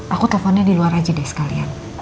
aku telponnya di luar aja deh sekalian